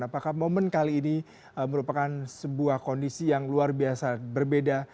apakah momen kali ini merupakan sebuah kondisi yang luar biasa berbeda